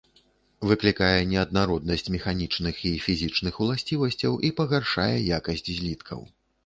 Выклікае неаднароднасць механічных і фізічных уласцівасцяў і пагаршае якасць зліткаў.